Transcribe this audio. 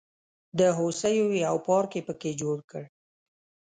د هوسیو یو پارک یې په کې جوړ کړ.